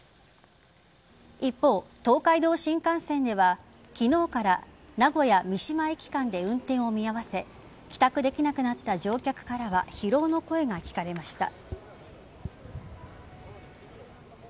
一方、東海道新幹線では昨日から名古屋三島駅間で運転を見合わせ帰宅できなくなった乗客からは疲労の声が聞かれました。